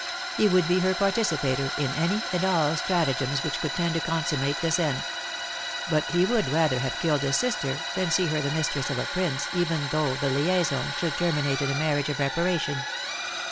He would be her participator in any and all stratagems which could tend to consummate this end; but he would rather have killed his sister than see her the mistress of a prince, even though the liaison should terminate in a marriage of reparation.